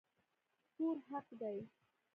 کور حق دی